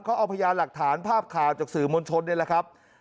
เขาเอาพยานหลักฐานภาพข่าวจากสื่อมวลชนนี่แหละครับ